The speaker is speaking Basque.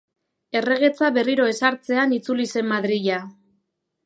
Erregetza berriro ezartzean itzuli zen Madrila.